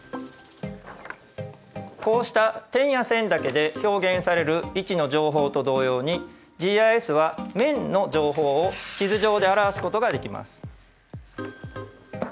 こうした点や線だけで表現される位置の情報と同様にＧＩＳは面の情報を地図上で表すことができます。